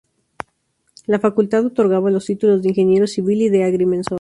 La Facultad otorgaba los títulos de Ingeniero Civil y de Agrimensor.